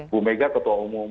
bumega ketua umum